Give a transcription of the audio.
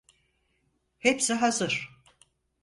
Hepsi hazır.